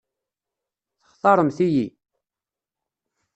Textaṛemt-iyi?